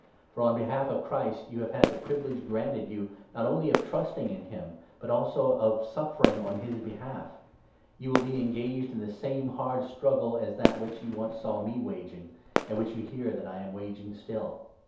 For, €>n 29 behalf of Christ, you have had the privilege granted you, not only of trusting in him, but also of suffering on his behalf. You will be engaged in the same hard struggle as that which 30 you once saw me waging, and which you hear that I am waging still.